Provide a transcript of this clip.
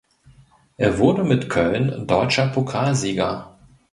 Er wurde mit Köln deutscher Pokalsieger.